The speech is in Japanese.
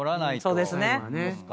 そうっすか？